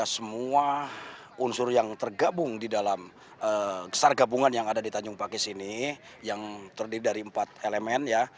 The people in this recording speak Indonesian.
semua unsur yang tergabung di dalam sar gabungan yang ada di tanjung pakis ini yang terdiri dari empat elemen ya